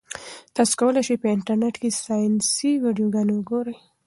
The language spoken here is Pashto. تاسي کولای شئ په انټرنيټ کې ساینسي ویډیوګانې وګورئ.